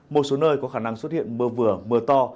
một số nơi có khả năng xuất hiện mưa vừa mưa to